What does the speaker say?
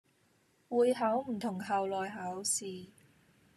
會考唔同校內考試